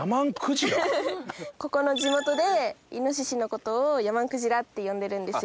ここの地元でイノシシのことをやまんくじらって呼んでるんですよ。